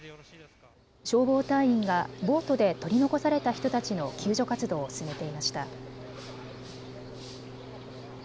消防隊員がボートで取り残された人たちの救助活動を進めていました。